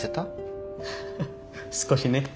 少しね。